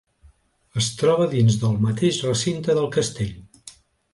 Es troba dins del mateix recinte del castell.